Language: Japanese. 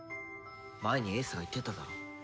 前に英寿が言ってただろ。